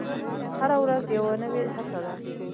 هره ورځ یوه نوې هڅه ده.